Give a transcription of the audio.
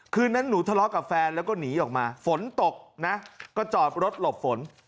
คืนนั้นหนูทะเลาะกับแฟนแล้วก็หนีออกมาฝนตกนะก็จอดรถหลบฝน